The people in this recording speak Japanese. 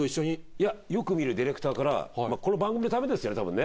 いやよく見るディレクターからこの番組のためですよあれ。